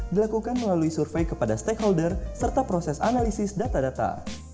dilakukan melalui survei kepada stakeholder serta proses analisis data data